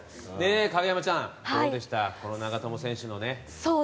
影山ちゃん、どうでしたこの長友選手の。